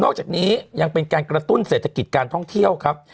จากนี้ยังเป็นการกระตุ้นเศรษฐกิจการท่องเที่ยวครับ